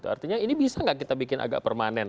artinya ini bisa nggak kita bikin agak permanen